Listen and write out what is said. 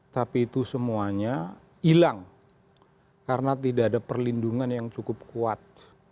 tapi itu semuanya hilang karena tidak ada perlindungan yang cukup kuat